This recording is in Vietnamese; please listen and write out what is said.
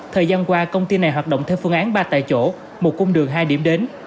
thời gian qua công ty này hoạt động theo phương án ba tại chỗ một cung đường hai điểm đến